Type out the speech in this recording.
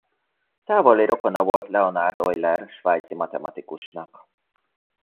Távoli rokona volt a Leonhard Euler svájci matematikusnak.